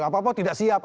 apa apa tidak siap